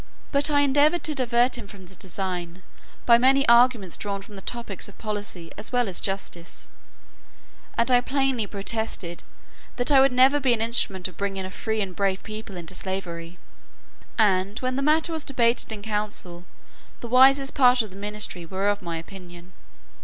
But I endeavoured to divert him from this design, by many arguments drawn from the topics of policy as well as justice; and I plainly protested, "that I would never be an instrument of bringing a free and brave people into slavery." And, when the matter was debated in council, the wisest part of the ministry were of my opinion.